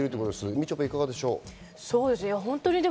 みちょぱ、どうでしょう？